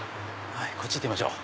こっち行ってみましょう。